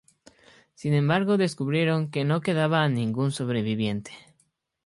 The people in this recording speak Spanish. Sin embargo descubrieron que no quedaba ningún sobreviviente.